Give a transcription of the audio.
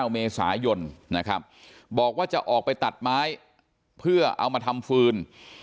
เมษายนนะครับบอกว่าจะออกไปตัดไม้เพื่อเอามาทำฟืน